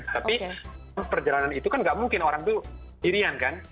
tapi perjalanan itu kan nggak mungkin orang itu irian kan